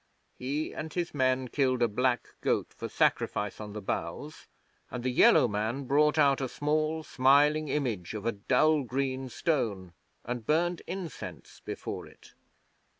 He and his men killed a black goat for sacrifice on the bows; and the Yellow Man brought out a small, smiling image of dull green stone and burned incense before it.